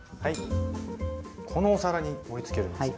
このお皿に盛りつけるんですね。